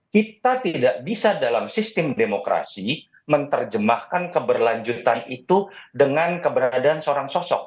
kita tidak bisa dalam sistem demokrasi menerjemahkan keberlanjutan itu dengan keberadaan seorang sosok